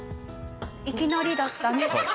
いきなりだった。